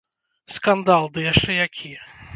Скандал, ды яшчэ які.